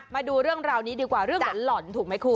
มาดูเรื่องราวนี้ดีกว่าเรื่องหล่อนถูกไหมคุณ